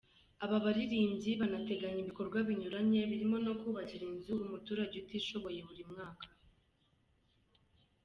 Aba baririmbyi banateganya ibikorwa binyuranye birimo no kubakira inzu umuturage utishoboye buri mwaka.